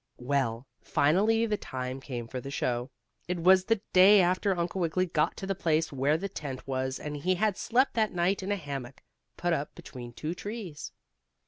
Well, finally the time came for the show. It was the day after Uncle Wiggily got to the place where the tent was, and he had slept that night in a hammock, put up between two trees.